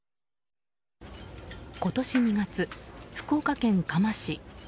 今年２月、福岡県嘉麻市。